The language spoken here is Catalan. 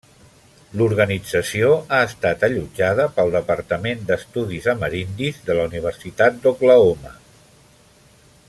L'organització ha estat allotjada pel departament d'estudis amerindis de la Universitat d'Oklahoma.